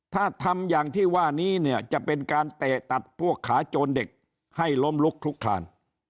ถ้าทำอย่างที่ว่านี้เนี่ยจะเป็นการเตะตัดพวกขาโจรเด็กให้ล้มลุกคลุกคลาน